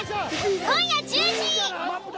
今夜１０時。